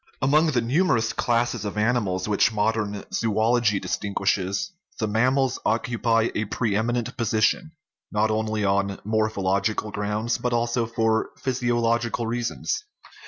Among the numerous classes of animals which modern zoology distinguishes the mammals occupy a pre eminent position, not only on morphological grounds, but also for physiological reasons.